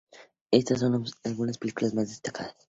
Estas son algunas de sus películas más destacadas.